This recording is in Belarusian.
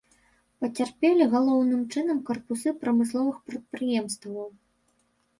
Пацярпелі, галоўным чынам, карпусы прамысловых прадпрыемстваў.